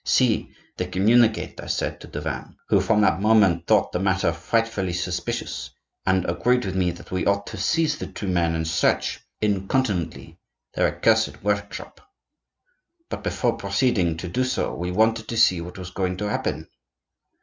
'See, they communicate!' I said to Tavannes, who from that moment thought the matter frightfully suspicious, and agreed with me that we ought to seize the two men and search, incontinently, their accursed workshop. But before proceeding to do so, we wanted to see what was going to happen.